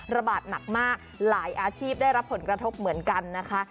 ระบาดหนักมากหลายอาชีพได้รับผลกระทบเหมือนกันนะคะ